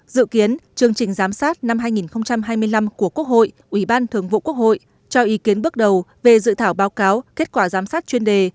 dự kiến chương trình giám sát năm hai nghìn hai mươi năm của quốc hội ủy ban thường vụ quốc hội cho ý kiến bước đầu về dự thảo báo cáo kết quả giám sát chuyên đề